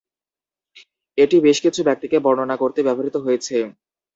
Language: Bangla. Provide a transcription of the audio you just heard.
এটি বেশ কিছু ব্যক্তিকে বর্ণনা করতে ব্যবহৃত হয়েছে।